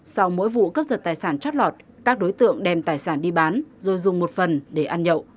sau mỗi vụ cướp giật tài sản trót lọt các đối tượng đem tài sản đi bán rồi dùng một phần để ăn nhậu